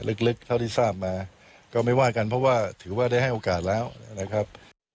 ลึกเท่าที่ทราบมาก็ไม่ว่ากันเพราะว่าถือว่าได้ให้โอกาสแล้วนะครับ